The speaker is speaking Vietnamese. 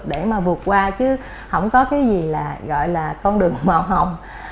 để mà vượt qua chứ không có cái gì là gọi là con đường màu hồng